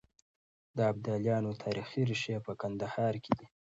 د ابدالیانو تاريخي ريښې په کندهار کې دي.